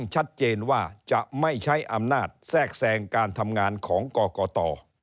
ชัดเจนว่าจะไม่ใช้อำนาจแทรกแทรงการทำงานของกรกต